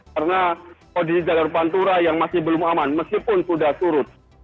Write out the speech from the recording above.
karena kondisi jalur pantura yang masih belum aman meskipun sudah turut